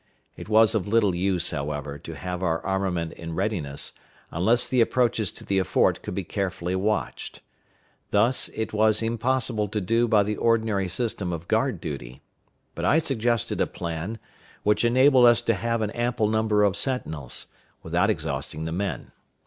It was of little use, however, to have our armament in readiness, unless the approaches to the fort could be carefully watched. This it was impossible to do by the ordinary system of guard duty; but I suggested a plan which enabled us to have an ample number of sentinels, without exhausting the men.